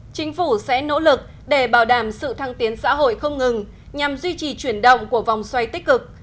chính phủ sẽ nỗ lực để bảo đảm sự thăng tiến xã hội không ngừng nhằm duy trì chuyển động của vòng xoay tích cực